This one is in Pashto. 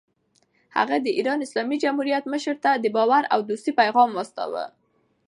هغه د ایران اسلامي جمهوریت مشر ته د باور او دوستۍ پیغام واستاوه.